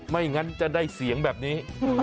ไม่งั้นจะได้เสียงแบบนี้